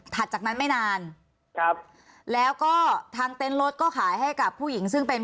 จากนั้นไม่นานครับแล้วก็ทางเต็นต์รถก็ขายให้กับผู้หญิงซึ่งเป็น